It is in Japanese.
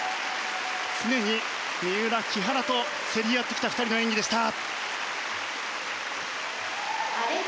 常に三浦、木原と競り合ってきた２人の演技でした。